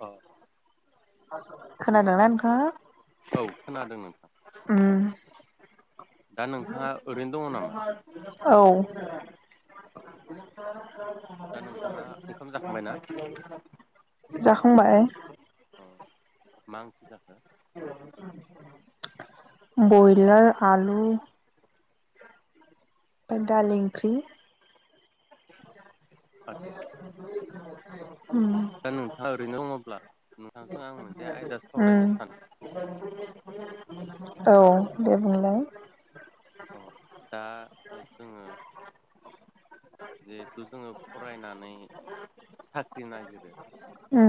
अ [inaudible] खोनादोंना नोंथाङा औ खोनादों नोंथां उम। दा नोंथाङा ओरैनो दङ नामा औ। दा नोंथाङा ओंखाम जाखांबायना [inaudible] जाखांबाय। अ मा ओंख्रि जाखो। बयलार आलु। दालि ओंख्रि। आतसा। उम दा नोंथाङा ओरैनो दङब्ला नोंथांजों आं मोनसे आयदा सावरायनो उम सानो। औ दे बुंलाय। औ। [inaudible] जिहेथु जोङो फरायनानै साख्रि नागिरो उम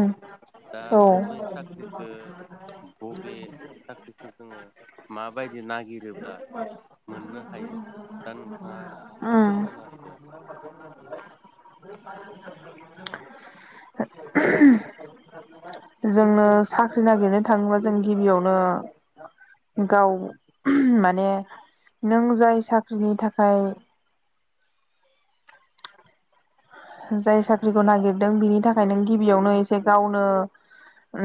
दा औ। बबे साख्रिखो बबे साख्रिखौ जोङो माबायदि नागिरोब्ला मोननो हायो दा नोंथाङा एसे उम फोरमायना होदो। [inaudible] जोंनो साख्रि नागिरनो थाङोबा जों गिबियावनो गाव माने नों जाय साख्रिनि थाखाय। जाय साख्रिखौ नागिरदों बिनि थाखाय नों गिबियावनो एसे गावनो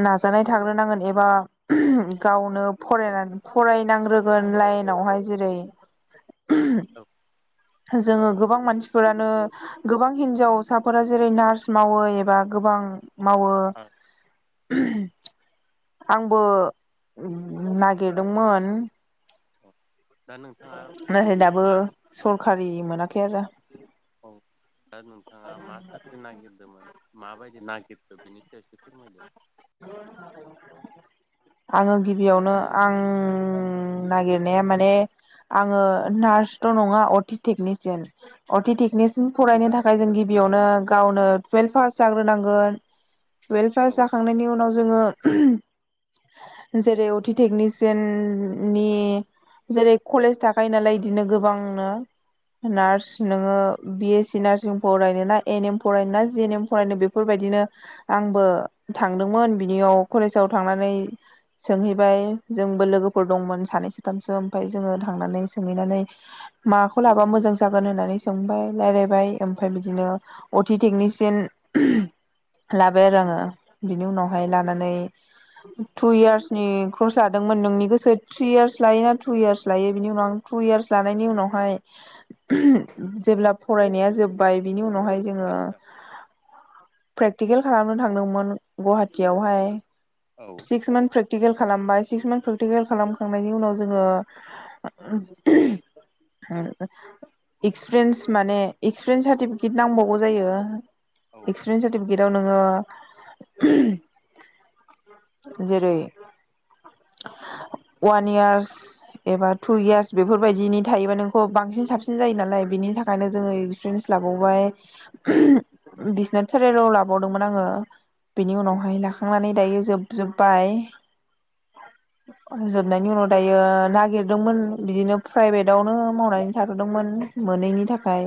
नाजानाय थाग्रोनांगोन एबा गाव औ [unintelligible] फरायनांग्रोगोन लाइनावहाय जेरै औ जोङो गोबां मानसिफोरानो गोबां हिनजावसाफोरा जेरै नार्स मावो एबा गोबां मावो। आंबो नागिरदोंमोन औ दा नोंथाङा नाथाय दाबो मा सरखारि मोनाखै आरो। औ दा नोंथाङा मा साख्रि नागिरदोंमोन? माबायदि नागिरदो बिनि सायावसो फोरमायदो। [inaudible] आङो गिबियावनो आं नागिरनाया माने आङो नार्सथ' नङा अटि टेकनिकियान अटि टेकनिकियान फरायनो थाखाय जों गिबियावनो गावनो टुवेल्भ पास जाग्रोनांगोन टुेल्भ पास औ जा उनाव जोङो जेरै अटि टेकनिसियाननि। जेरै कलेज थाखायो नालाय इदिनो गोबांनो नार्स नोङो बि-एस-सि नार्सिं फरायनो ना एन-एम फरायनो ना जि- एन-एम फरायनो बेफोरबायदिनो आंबो थांदोंमोन बिनियाव कलेजाव थांनानै सोंहैबाय जोंबो लोगोफोर दंमोन सानै साथामसो ओमफाय जोङो थांनानै सोंहैनानै माबाखौ लाबा मोजां जागोन होननानै सोंबाय रायलायबाय ओमफाय बिदिनो अटि टेकनिसियान लाबाय आरो आङो बिनि औ उनावहाय लानानै टु इयार्सनि कर्स लादोंमोन नोंनि गोसो थ्रि इयार्स लायोना टु इयार्स लायो बिनि उनाव आं टु इयार्स लानायनि आतसा उनावहाय जेब्ला फरायनाया जोबबाय बिनि उनाव उनावहाय जोङो आतसा प्रेकटिकेल खालामनो थांदोंमोन। गुवाहाटियावहाय औ सिक्स मान प्रेटि प्रेकटिकेल खालामबाय सिक्स मान्थ प्रेकटिकेल खालामखांनायनि उनाव जोङो। एक्सपिरियेन्स माने इक्सपिरियेन्स सार्टिफिकेट नांबावगौ जायो। औ एक्सपिरियेन्स सार्टिफिकेटाव नोङो [unintelligible] जेरै वान इयार्स एबा टु इयार्स बेफोरबायदिनि थायोबा नोंखौ बांसिन साबसिन जायो नालाय बिनि थाखायनो औ जोङो एक्सपिरियेन्स लाबावबाय बिसनो थेरेर लाबावदोंमोन आङो बेनि औ उनावहाय लाखांनानै दायो जोबजोब्बाय जोबनायनि उनाव दायो नागिरदोंमोन बिदिनो प्राइभेटआवनो मावनानै थाथदोंमोन। मोनैनि थाखाय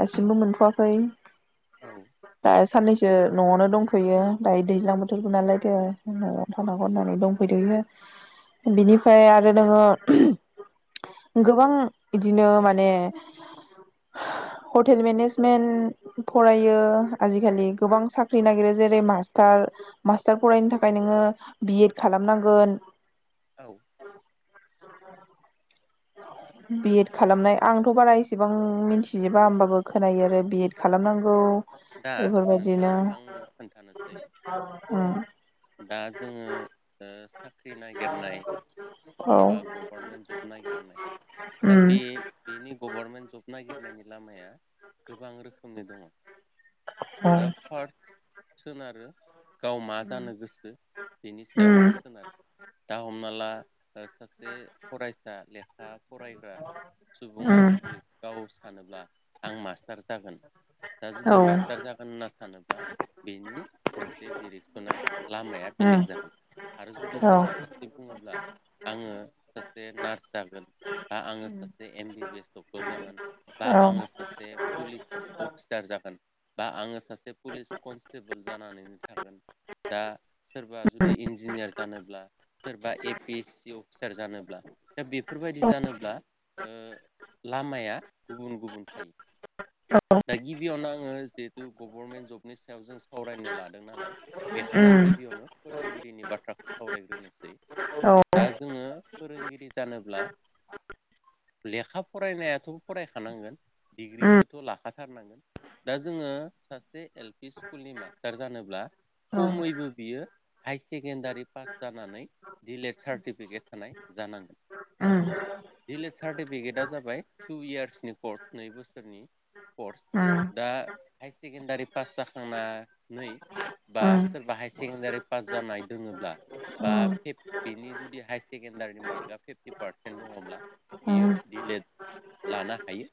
दासिमबो मोनथ'वाखै। दा साननैसो न'आवनो दंथ'यो दायो दैज्लां बोथोरबो नालायदो न'आव थांनांगौ औ होननानै दंफैथयो बिनिफ्राय आरो नोङो गोबां बिदिनो माने हटेल मेनेजमेन्ट फरायो आजिखालि गोबां साख्रि नागिरो जेरै मास थार मास्टार फरायनो थाखाय औ नोङो बि एड खालामनांगोन औ। बिएद खालामनाय आंथ' बारा इसेबां मिनथिजोबा होमबाबो खोनायो आरो बिएद औ खालामनांगौ दा नोंथां बेफोरबायदिनो आं खोन्थानोसै ओम। दा जोङो ओ साख्रि नायगिरनाय औ बा गभर्नमेन्ट जब नागिरनाय दा उम बे बेनि गभर्नमेन्ट जब नागिर नायनि लामाया गोबां रोखोमनि दङ दा ओं फार सोनारो गाव मा जानो गोसो बेनि सायाव उम सोनारो दा हमना ला बा सासे फरायसा लेखा फरायग्रा सुबुङा उम जुदि गाव सानोब्ला आं मास्टार जागोन दा औ जुदि मास्टार जागोन होनना सानोब्ला बेनि मोनसे डिरेक्सना लामाया उम बेलेग जागोन आरो जुदि औ उम सोरबा खाथि बुङोब्ला आङो सासे नार्स जागोन बा आङो सासे एम बिबिएस डक्टर जागोन बा औ आङो सासे पुलिस अफिसार जागोन बा आङो सासे पुलिस कनस्टेबोल जानानैनो थागोन दा सोरबा जुदि इन्जिनियार जानोब्ला सोरबा A P S C officer जानोब्ला दा बेफोरबायदि जानोब्ला। ओ लामाया गुबुन गुबुन थायो दा गिबियावनो आङो जिहेथु गभर्नमेन्ट जबनि सायाव जों सावरायनो लादों नालाय बेखायनो आं उम गिबियावनो फोरोंगिरिनि बाथ्राखौ सावरायग्रोनोसै औ दा जोङो फोरोंगिरि जानोब्ला लेखा फरायनायाथ' फरायखानांगोन डिग्रिखोथ' ला खाथारनांगोन दा जोङो सासे एल पि स्कुलनि मास्टार जानोब्ला उम खमैबो बियो हाय सेकेण्डारि पास जानानै दिलेट सार्टिफिकेट थानाय जा जानांगोन। ओम दिलेट सार्टिफिकेटआ जाबाय टु इयार्सनि कर्स नै बोसोरनि। कर्स उम दा हायार सेकेण्दारि पास जाखांनानै बा सोरबा हायार सेकेण्डारि पास जानाय दोङोब्ला बा बेनि जुदि हायार सेकेणडारिनि मार्कआ फिफ्टि पारसेन्ट दङब्ला बियो डिलेट लानो हायो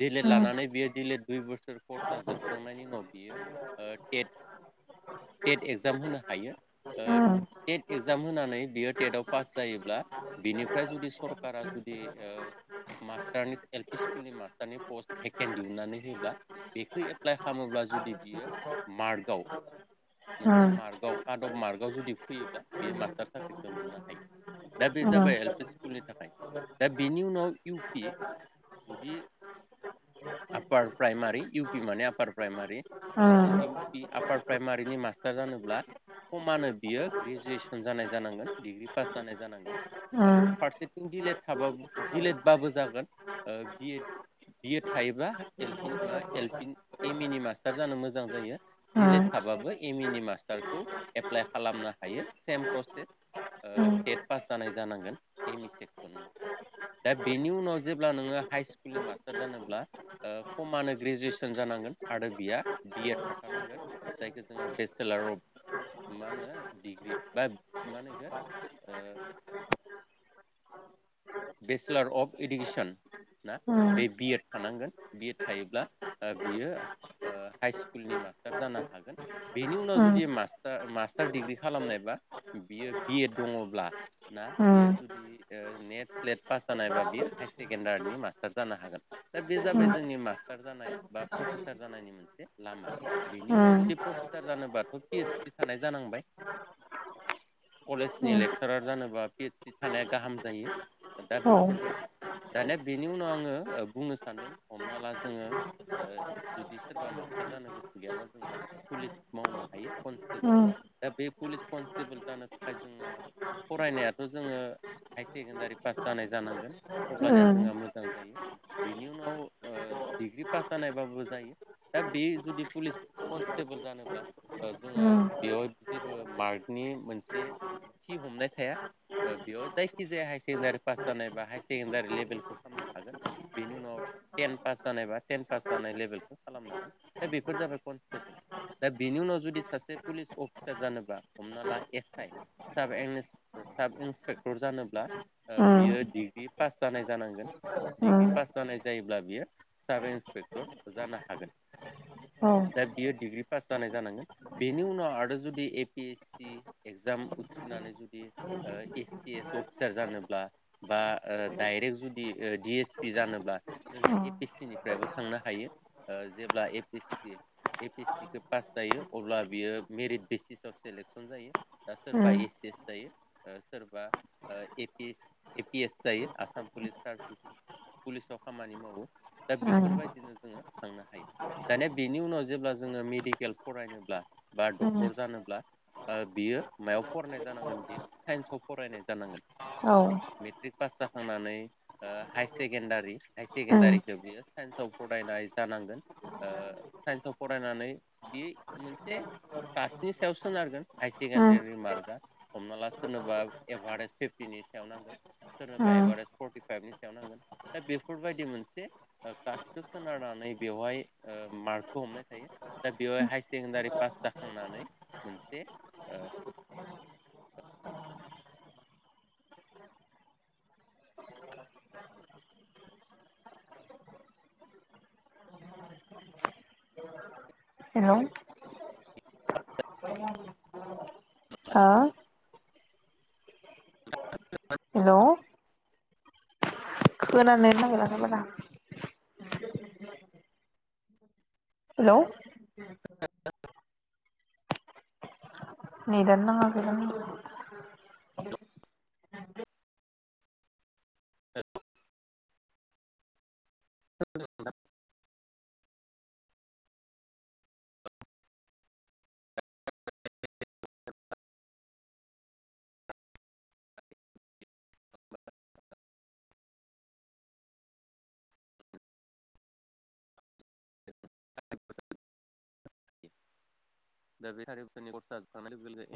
डिलेट उम लानानै बियो डिलेट दुइ बोसोर कर्सा जोबखांनायनि उनाव बियो ओ टेट टेट एक्जाम होनो हायो उम टेट एगजाम होनानै बियो टेटाव पास जायोब्ला बिनिफ्राय जुदि सरकारा जुदि ओ मास्टारनि एल पि सुकुलनि मास्टारनि पोस्ट टेकेन दिहुननानै होयोब्ला बेखौ एप्लाइ खालामोब्ला जुदि बियो मार्कआव मोनसे उम मार्कआव कार्ड अफ मार्कआव जुदि फैयोब्ला बेयो मास्टार साख्रिखौ मोननो हायो। दा बे हेल' हो जाबाय एल पि स्कुलनि थाखाय दा बेनि उनाव इउ पि जुदि आपार प्राइमारि इउपि माने upper primary. U P upper प्राइमारिनि मास्टार जानोब्ला। समानो बियो ग्रेजुवेसन जानाय जानांगोन डिग्रि पास जानाय जानांगोन। फारसेथिं दिलेड थाब दिलेड बाबो जागोन बि थायोबा एम इ नि मास्टार जानो मोजां जायो डिलेट थाबाबो ए मिनिनि मास्टारखौ एप्लाइ खालामनो हायो सेम प्रसेस टेट पास जानाय जानांगोन एम इ दा बेनि उनाव जेब्ला नोङो हाइ स्कुलनि मास्टार जानो ग्रेजुवेसन जानांगोन आरो बियो बिएड थाथारनांगोन जायखौ जोङो बेसेसलर आप मा होनो डिग्रि बा मा होनो इखौ [inaudible] बेचलार अफ एडुकेसन। ना बे बिएड थानांगोन बिएड थायोब्ला बियो हाइ स्कुलनि मास्टार जानो हागोन बेनि उनाव जुदि मास्टार मास्टार डिग्रि खालामनायबा बियो बि एड दङब्ला ना बियो जुदि नेट। नेट पास जानाय बा बियो हायार सेकेणडारिनि मास्टार जानो हागोन दा बे जाबाय जोंनि मास्टार जानाय बा। प्रफेसार जानायनि मोनसे लामा बेनि उनाव जुदि प्रफेसार जानोबाथ' पि ओइसडि थानाय जानांबाय। औ। कलेजनि लेक्सारार जानोबा पिओइ सि थानाया गाहाम जायो। दा बेफोर बायदि। दानिया बेनि उनाव आङो बुंनो सानदों हमना ला जोङो जुदि सोरबा मास्टार जानो जानो गोसो गैयाबा जोङो पुलिस मावनो हायो कनस्टेबोल। दा बे पुलिस कनस्टेबोल जानो थाखाय जोंना फरायनायाथ' जोङो हायार सेकेण्डारि पास जानाय जानांगोन अब्लानिया जोंहा मोजां जायो। बेनि उनाव डिग्रि पास जानायबाबो जायो दा बे जुदि पुलिस कनस्टेबोल। जानोब्ला जोंहा बेयावाय जेबो मार्कनि मोनसे थि हमनाय थाया बेयाव जायखि जाया हायार सेकेनडारि पास जानायबा हायार सेकेणडारि लेभेलखौ खालामनो हागोन बेनि उनाव टेन पास जानायबा पास जानाय लेभेलखौ खालामनो हागोन दा बेफोर जाबाय कनस्टेबोल दा बेनि उनाव जुदि सासे पुलिस अफिसार जानोबा हमना ला एस आइ। साब साब इन्सपेक्टर जानोब्ला ओ बियो डिग्रि पास जानाय जानांगोन। डिग्रि पास जानाय जायोब्ला बियो साब इन्सपेक्टर जानो हागोन। दा बिए डिग्रि पास जानाय जानांगोन बेनि उनाव आरो जुदि A P S C exam उथ्रिनानै जुदि ओ ए सि एस अफिसार जानो ब्ला बा ओ डाइरेक्ट जुदि डि एस पि जानोब्ला जोंङो ए पि सि निफ्रायबो थां नो हायो ओ जेब्ला A P C A P सिखौ पास जायो अब्ला बियो मेरिट बेसिसाव सेलेकसन जायो। दा सोरबा ए सि एस जायो ओ सोरबा ए पिस ए पि एस जायो आसाम पुलिस सारबिस पुलिसाव खामानि मावो। दा बेफोरबायदिनो जोंङो थांनो हायो दानिया बिनि उनाव जेब्ला जोंङो मेडिकेल फरायनोब्ला बा डक्टर जानोब्ला ओ बियो मायाव फरायनाय जानांगोन बियो साइन्सआव फरायनाय जानांगोन। मेट्रिक पास जाखांनानै हाय सेकेण्डारि हाय सेकेण्डारिखो बियो साइन्सआव फरायनाय जानांगोन ओ साइन्सआव फरायनानै बि मोनसे कास्टनि सायाव सोनारगोन हायार सेकेणडारिनि मार्कआ हमना ला सोरनोबा एभारेज फिफ्टिनि सायाव नांगोन सोरनोबा एभारेेज फर्टिफाइभनि सायाव नांगोन दा बेफोरबायदि मोनसे कास्ट सोनारनानै बेवहाय ओ मार्कखौ हमनाय थायो दा बेवहाय हायार सेकेण्डारि पास जाखांना नै मोनसे ओ हेलौ हा? हेलौ खोनानोनो नागिराखै बारा हेलौ नेदानो नांङाखै दां [inaudible] [inaudible] दा बे सारि बोसोरनि कर्सआ जोबखांनाय लोगो ए